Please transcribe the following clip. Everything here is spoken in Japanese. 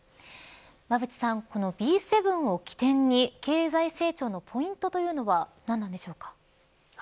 馬渕さん、このＢ７を起点に経済成長のポイントというのは何なんでしょうか。